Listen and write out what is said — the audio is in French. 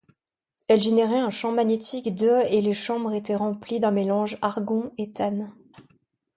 Elle générait un champ magnétique de et les chambres étaient remplies d’un mélange argon-éthane.